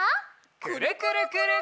「くるくるくるっ」！